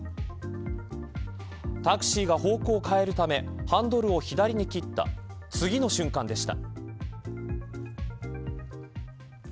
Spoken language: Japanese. タクシーが方向を変えるためハンドルを左に切った次の瞬間でした。